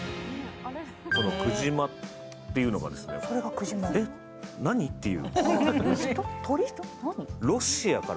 このクジマっていうのが、えっ、何？っていう。